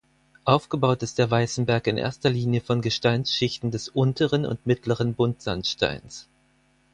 Aufgebaut ist der Weißenberg in erster Linie von Gesteinsschichten des Unteren und Mittleren Buntsandsteins.